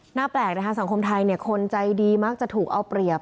หน้าแปลกนะคะสังคมไทยเนี่ยคนใจดีมักจะถูกเอาเปรียบ